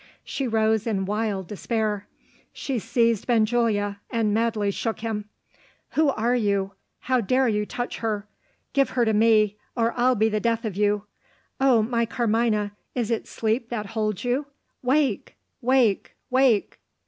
She rose in wild despair she seized Benjulia, and madly shook him. "Who are you? How dare you touch her? Give her to me, or I'll be the death of you. Oh, my Carmina, is it sleep that holds you? Wake! wake! wake!"